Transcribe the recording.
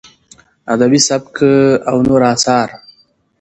ادبي سبک او نور اثار: